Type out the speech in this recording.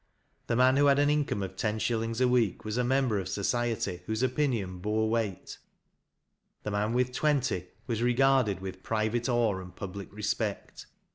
The man who had an income of ten shil lings a week was a member of society whose opinion bore weight ; the man with twenty was regarded with private awe and public respect.